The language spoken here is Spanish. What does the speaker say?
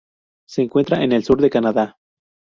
Se encuentra en el sur de Canadá.